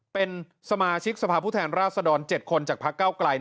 เป็นสมาชิกสภาพุทธแห่งราษฎร๗คนจากพักเก้ากลาย๖คน